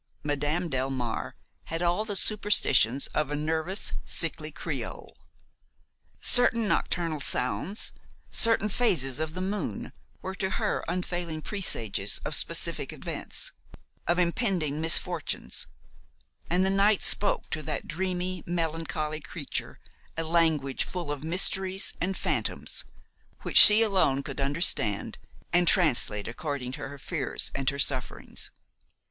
Madame Delmare had all the superstitions of a nervous, sickly Creole; certain nocturnal sounds, certain phases of the moon were to her unfailing presages of specific events, of impending misfortunes, and the night spoke to that dreamy, melancholy creature a language full of mysteries and phantoms which she alone could understand and translate according to her fears and her sufferings.